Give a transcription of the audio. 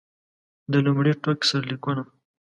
د لومړي ټوک سرلیکونه.